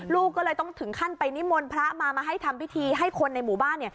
ลูกก็เลยต้องถึงขั้นไปนิมนต์พระมามาให้ทำพิธีให้คนในหมู่บ้าน